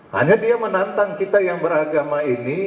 hanya dia menantang kita yang beragama ini